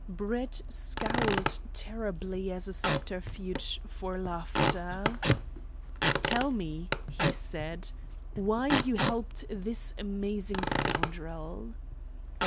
Brett scowled terribly as a subterfuge for laughter. "Tell me," he said, "why you helped this amazing scoundrel?"